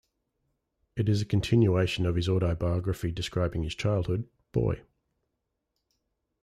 It is a continuation of his autobiography describing his childhood, "Boy".